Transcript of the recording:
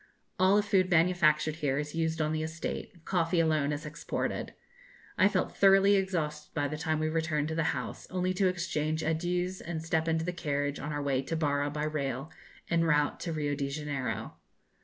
All the food manufactured here is used on the estate; coffee alone is exported. I felt thoroughly exhausted by the time we returned to the house, only to exchange adieus and step into the carriage on our way to Barra by rail en route to Rio de Janeiro.